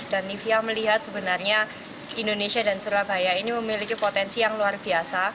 dan nifia melihat sebenarnya indonesia dan surabaya ini memiliki potensi yang luar biasa